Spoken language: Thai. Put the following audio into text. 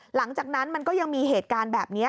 หลังจากนั้นมันก็ยังมีเหตุการณ์แบบนี้